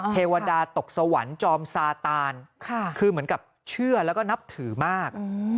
เทวดาตกสวรรค์จอมซาตานคือเหมือนกับเชื่อแล้วก็นับถือมาก